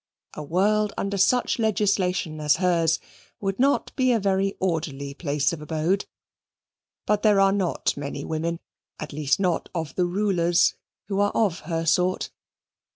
A world under such legislation as hers would not be a very orderly place of abode; but there are not many women, at least not of the rulers, who are of her sort.